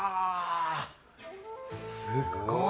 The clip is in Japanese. すごい！